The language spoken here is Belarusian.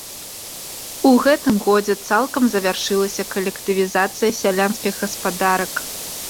У гэтым годзе цалкам завяршылася калектывізацыя сялянскіх гаспадарак.